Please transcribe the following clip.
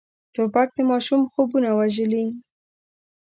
توپک د ماشوم خوبونه وژلي.